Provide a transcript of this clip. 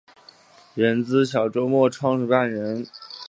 人资小周末创办人